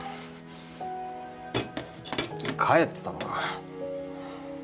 帰ってたのか。